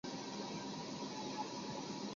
加瑙山。